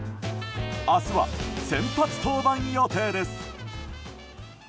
明日は先発登板予定です。